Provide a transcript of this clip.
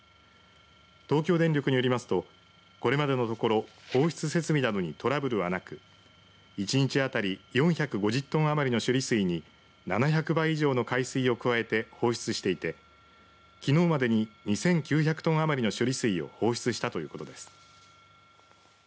東京電力によりますとこれまでのところ放出設備などにトラブルはなく１日当たり４５０トン余りの処理水に７００倍以上の海水を加えて放出していてきのうまでに２９００トン余りの処理水を放出したということです。